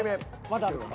まだあるか。